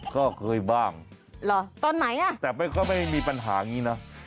ก็เคยบ้างเหรอตอนไหนอ่ะแต่ไม่ค่อยไม่มีปัญหาอย่างนี้นะ